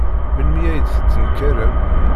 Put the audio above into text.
Melmi ay d-tettenkarem?